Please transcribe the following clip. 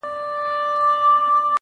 • ته دي ټپه په اله زار پيل کړه.